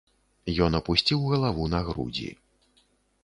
Ён апусціў галаву на грудзі.